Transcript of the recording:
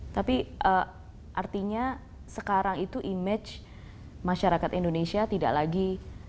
tapi artinya sekarang itu image masyarakat indonesia tidak lagi